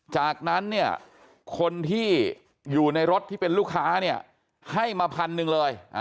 จากนั้นคนที่อยู่ในรถที่เป็นลูกค้าให้มา๑๐๐๐นึงเลย